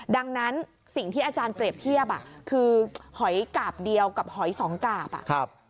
ดังนั้นสิ่งที่อาจารย์เปรียบเทียบคือหอยกาบเดียวกับหอยสองกาบอ่ะ